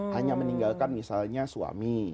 hanya meninggalkan misalnya suami